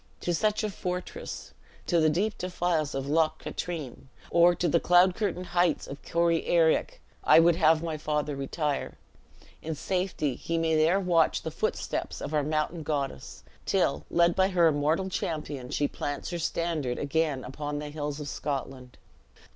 To such a fortress, to the deep defiles of Loch Katrine, or to the cloud curtained heights of Corryarraick, I would have my father retire. In safety he may there watch the footsteps of our mountain goddess, till, led by her immortal champion, she plants her standard again upon the hills of Scotland."